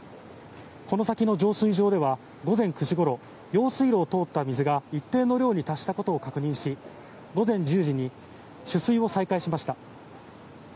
この先の浄水場では午前９時ごろ用水路を通った水が一定の量に達したことを確認し午前１０時に取水を再開しました。